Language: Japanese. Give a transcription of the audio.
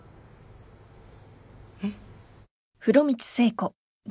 えっ？